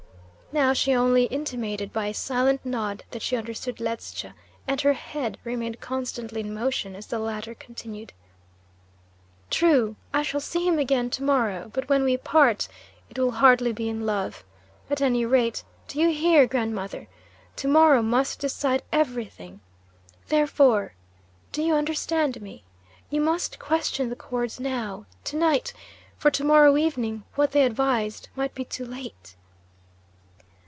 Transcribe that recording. Now she only intimated by a silent nod that she understood Ledscha, and her head remained constantly in motion as the latter continued: "True, I shall see him again to morrow, but when we part, it will hardly be in love. At any rate do you hear, grandmother? to morrow must decide everything. Therefore do you understand me? you must question the cords now, to night, for to morrow evening what they advised might be too late."